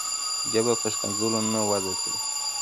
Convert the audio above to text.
ژبه په ښکنځلو نه وده کوي.